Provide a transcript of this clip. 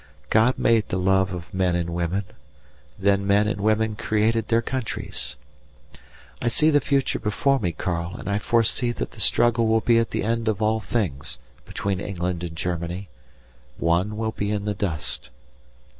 God made the love of men and women, then men and women created their countries. I see the future before me, Karl, and I foresee that the struggle will be at the end of all things, between England and Germany. One will be in the dust.